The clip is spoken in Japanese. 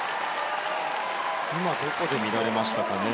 今どこで乱れましたかね。